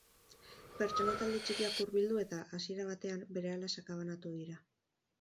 Pertsona talde txikiak hurbildu eta, hasiera batean, berehala sakabanatu dira.